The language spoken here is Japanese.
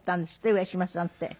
上島さんって。